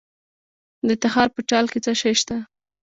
د تخار په چال کې څه شی شته؟